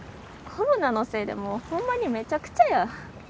コロナのせいで、もうほんまにめちゃくちゃや。